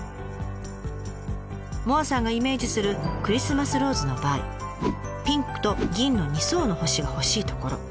萌彩さんがイメージするクリスマスローズの場合ピンクと銀の２層の星が欲しいところ。